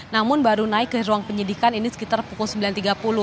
namun baru naik ke ruang penyidikan ini sekitar pukul sembilan tiga puluh